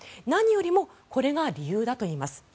何よりもこれが理由だといいます。